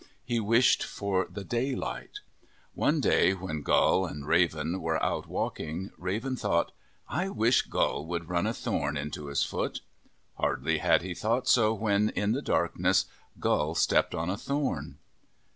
He wished for the daylight. One day when Gull and Raven were out walking, Raven thought, " I wish Gull would run a thorn into his foot." Hardly had he thought so, when, in the darkness, Gull stepped on a thorn.